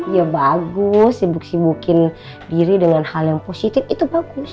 ya bagus sibuk sibukin diri dengan hal yang positif itu bagus